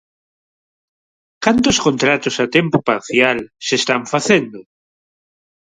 ¿Cantos contratos a tempo parcial se están facendo?